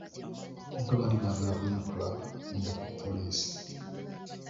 Abavubuka baali baagala kunyakula mmundu ku mupoliisi.